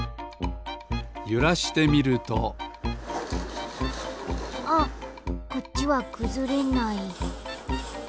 ゆらしてみるとあっこっちはくずれない。